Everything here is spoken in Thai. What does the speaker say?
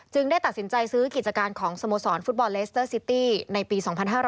ได้ตัดสินใจซื้อกิจการของสโมสรฟุตบอลเลสเตอร์ซิตี้ในปี๒๕๕๙